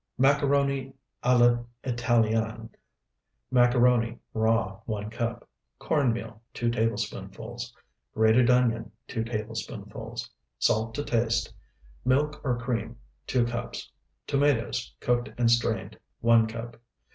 MACARONI A L'ITALIENNE Macaroni, raw, 1 cup. Corn meal, 2 tablespoonfuls. Grated onion, 2 tablespoonfuls. Salt to taste. Milk or cream, 2 cups. Tomatoes, cooked and strained, 1 cup.